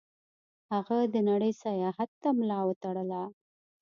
هغه د نړۍ سیاحت ته ملا وتړله.